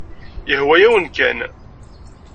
Yehwa-yawen kan.